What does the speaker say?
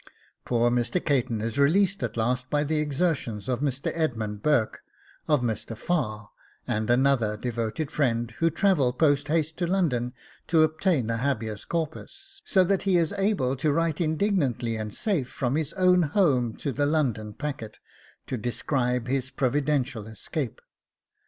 Poor Mr. Caton is released at last by the exertions of Mr. Edmund Burke, of Mr. Farr, and another devoted friend, who travel post haste to London to obtain a Habeas Corpus, so that he is able to write indignantly and safe from his own home to the LONDON PACKET to describe his providential escape.